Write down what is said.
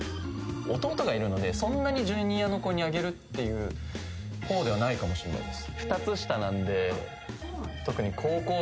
弟がいるのでそんなにジュニアの子にあげるっていうほうではないかもしれないです